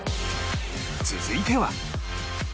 続いては